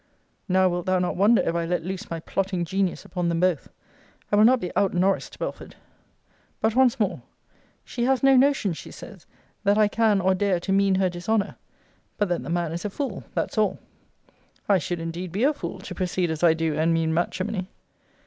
Now wilt thou not wonder, if I let loose my plotting genius upon them both. I will not be out Norris'd, Belford. But once more, 'She has no notion,' she says, 'that I can or dare to mean her dishonour. But then the man is a fool that's all.' I should indeed be a fool, to proceed as I do, and mean matrimony!